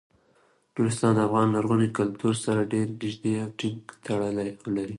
نورستان د افغان لرغوني کلتور سره ډیر نږدې او ټینګ تړاو لري.